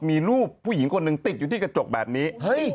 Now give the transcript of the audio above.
มีรูปผู้หญิงคนหนึ่งติดอยู่ที่กระจกแบบนี้